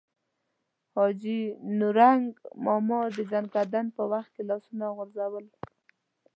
حاجي نورنګ ماما د ځنکدن په وخت کې لاسونه غورځول.